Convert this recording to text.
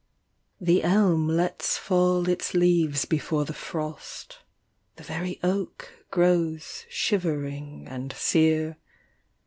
The elm lets fall its leaves before the frost, The very oak grows shivering and sere.